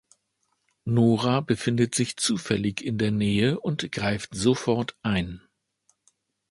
Nora befindet sich zufällig in der Nähe und greift sofort ein.